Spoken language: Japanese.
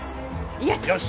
よし！